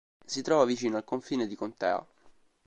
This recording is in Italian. Si trova vicino al confine di contea.